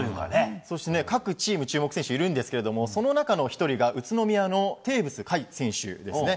そして各チーム注目選手いるんですがその中の１人が宇都宮のテーブス海選手ですね。